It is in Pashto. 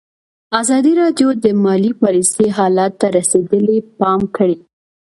ازادي راډیو د مالي پالیسي حالت ته رسېدلي پام کړی.